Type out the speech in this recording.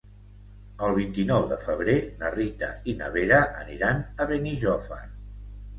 El vint-i-nou de febrer na Rita i na Vera aniran a Benijòfar.